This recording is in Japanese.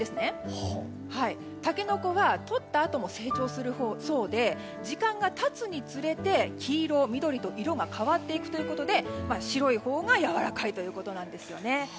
タケノコは、とったあとも成長するそうで時間が経つにつれて、黄色、緑と色が変わっていくということで白いほうがやわらかいということです。